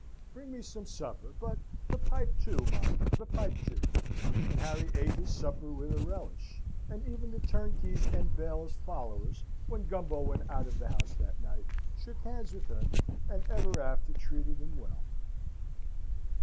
Bring me some supper: but the pipe too, mind the pipe too!" And Harry ate his supper with a relish: and even the turnkeys and bailiff's followers, when Gumbo went out of the house that night, shook hands with him, and ever after treated him well.